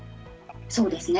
そうですね。